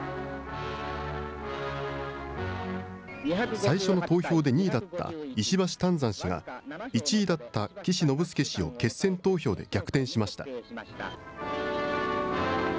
最初の投票で２位だった石橋湛山氏が１位だった岸信介氏を決選投票で逆転しました。